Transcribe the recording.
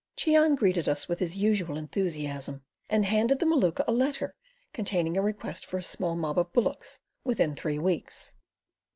Cheon greeted us with his usual enthusiasm, and handed the Maluka a letter containing a request for a small mob of bullocks within three weeks.